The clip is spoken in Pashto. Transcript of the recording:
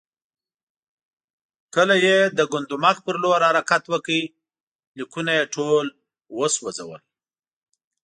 کله یې د ګندمک پر لور حرکت وکړ، لیکونه یې ټول وسوځول.